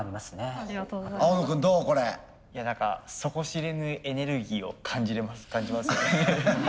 何か底知れぬエネルギーを感じますね。